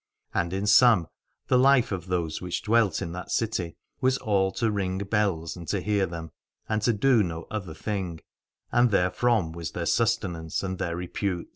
And in sum, the life of those which dwelt in that city was all to ring bells and to hear them, and to do no other thing: and therefrom was their sustenance and their repute.